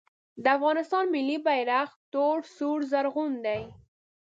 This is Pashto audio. د افغانستان ملي بیرغ تور سور زرغون دی